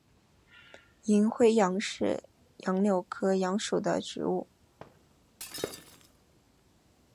银灰杨是杨柳科杨属的植物。